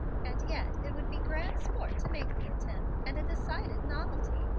And yet it would be grand sport to make the attempt, and a decided novelty.